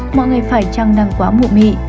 mọi người phải trăng năng quá mụ mị